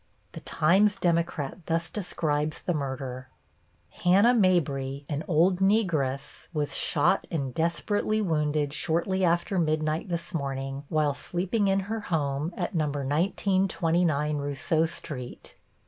The Times Democrat thus describes, the murder: Hannah Mabry, an old Negress, was shot and desperately wounded shortly after midnight this morning while sleeping in her home at No. 1929 Rousseau Street.